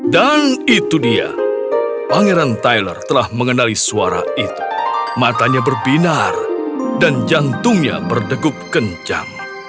dan itu dia pangeran tyler telah mengenali suara itu matanya berbinar dan jantungnya berdegup kencang